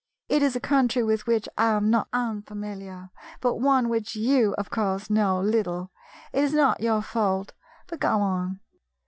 It is a country with which I am not unfamiliar, but one of which you, of course, know little. It is not your fault — but go on."